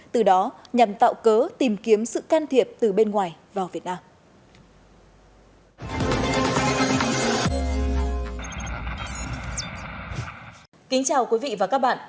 từ đó nhằm tạo cớ tìm kiếm sự can thiệp từ bên ngoài vào việt nam